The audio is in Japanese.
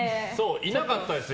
いなかったんですよ。